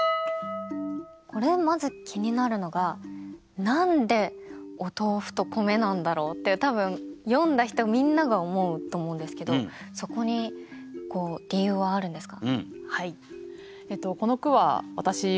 これまず気になるのがって多分読んだ人みんなが思うと思うんですけどそこに理由はあるんですか？